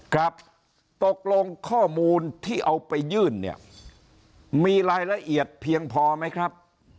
ครับตกลงข้อมูลที่เอาไปยื่นเนี่ยมีรายละเอียดเพียงพอไหมครับ